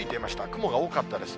雲が多かったです。